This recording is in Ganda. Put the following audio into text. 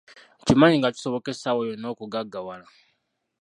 Nkimanyi nga kisoboka essaawa yonna okugaggawala.